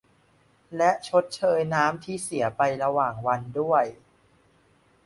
และชดเชยน้ำที่เสียไประหว่างวันด้วย